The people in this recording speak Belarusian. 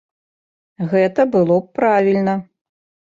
Гэта было б правільна.